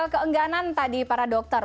keengganan tadi para dokter